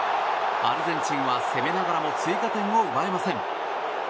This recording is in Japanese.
アルゼンチンは攻めながらも追加点を奪えません。